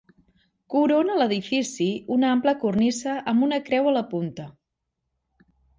Corona l'edifici una ampla cornisa amb una creu a la punta.